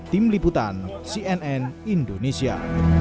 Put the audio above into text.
tim liputan cnn indonesia